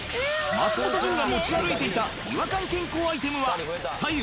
松本潤が持ち歩いていた違和感健康アイテムは白湯？